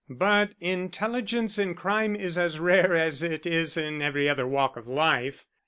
But intelligence in crime is as rare as it is in every other walk of life.